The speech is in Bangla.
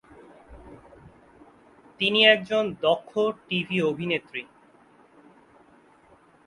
তিনি একজন দক্ষ টিভি অভিনেত্রী।